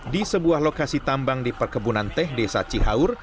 di sebuah lokasi tambang di perkebunan teh desa cihaur